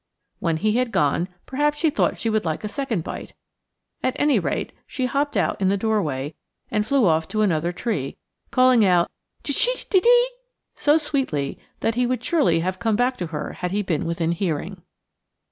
When he had gone, perhaps she thought she would like a second bite. At any rate, she hopped out in the doorway and flew off to another tree, calling out tsché de de so sweetly he would surely have come back to her had he been within hearing.